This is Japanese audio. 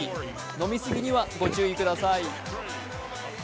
飲みすぎにはご注意ください。